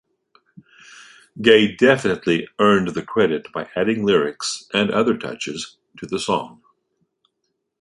Gaye definitely earned the credit by adding lyrics and other touches to the song.